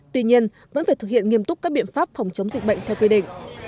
tuy nhiên vẫn phải thực hiện nghiêm túc các biện pháp phòng chống dịch bệnh theo quy định